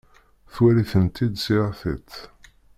Twalin-tent-id s yir tiṭ.